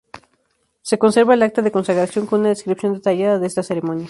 Se conserva el acta de consagración con una descripción detallada de esta ceremonia.